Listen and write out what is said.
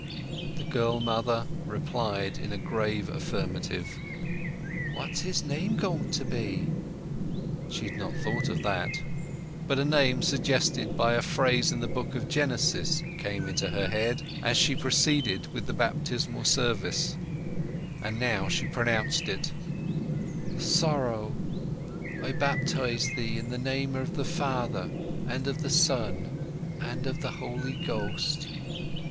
The girl mother replied in a grave affirmative. "What's his name going to be?" She had not thought of that, but a name suggested by a phrase in the book of Genesis came into her head as she proceeded with the baptismal service, and now she pronounced it: "SORROW, I baptize thee in the name of the Father, and of the Son, and of the Holy Ghost."